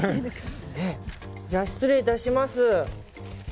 じゃあ、失礼いたします。